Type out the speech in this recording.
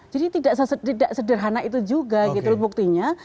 jadi tidak sederhana itu juga gitu buktinya